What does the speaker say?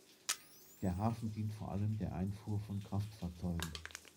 Der Hafen dient vor allem der Einfuhr von Kraftfahrzeugen.